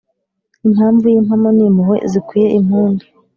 Impamvu y'impamo ni impuhwe zikwiye impundu